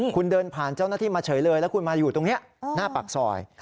คุณเดินผ่านเจ้าหน้าที่มาเฉยเลยแล้วคุณมาอยู่ตรงนี้หน้าปากซอย